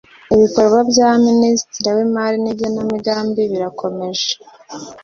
Ibikorwa bya Minisitiri w Imari n Igenamigambi birakomeje